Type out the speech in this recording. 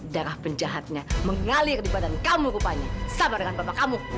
darah penjahatnya mengalir di badan kamu rupanya sama dengan bapak kamu